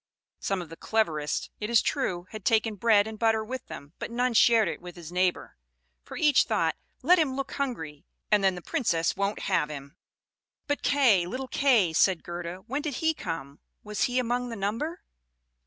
Some of the cleverest, it is true, had taken bread and butter with them: but none shared it with his neighbor, for each thought, 'Let him look hungry, and then the Princess won't have him.'" "But Kay little Kay," said Gerda, "when did he come? Was he among the number?"